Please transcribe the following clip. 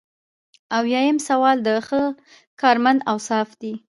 اویایم سوال د ښه کارمند اوصاف دي.